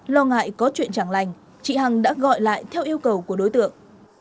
lo ngại có chuyện chẳng lành chị hằng đã gọi lại theo yêu cầu của đối tượng